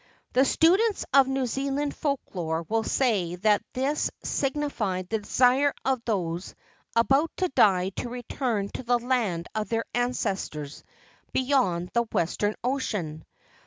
The students of New Zealand folk lore will say that this signified the desire of those about to die to return to the land of their ancestors beyond the western ocean.